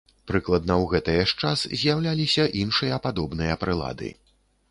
Прыкладна ў гэтае ж час з'яўляліся іншыя падобныя прылады.